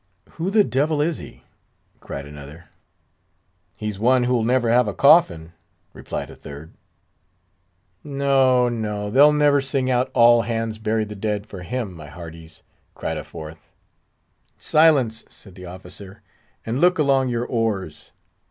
"Who the devil is he?" cried another. "He's one who'll never have a coffin!" replied a third. "No, no! they'll never sing out, 'All hands bury the dead!' for him, my hearties!" cried a fourth. "Silence," said the officer, "and look along your oars."